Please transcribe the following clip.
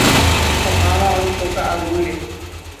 Ko'ãva oiko ka'aguýre.